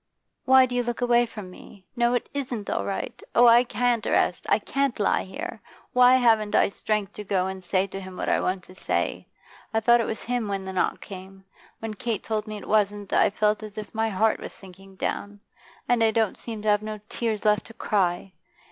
'Why do you look away from me? No, it isn't all right. Oh, I can't rest, I can't lie here! Why haven't I strength to go and say to him what I want to say? I thought it was him when the knock came. When Kate told me it wasn't, I felt as if my heart was sinking down; and I don't seem to have no tears left to cry.